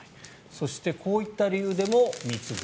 そしてこういった理由でも貢ぐ。